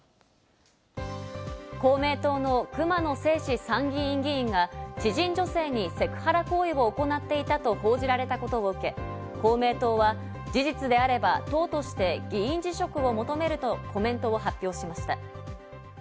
公明党の熊野正士参議院議員が、知人女性にセクハラ行為を行っていたと報じられたことを受け、公明党は、事実であれば党として議員辞職を求めるとコメントを発表しました。